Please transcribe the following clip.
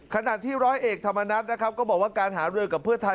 ขณะที่ร้อยเอกธรรมนัฐนะครับก็บอกว่าการหารือกับเพื่อไทย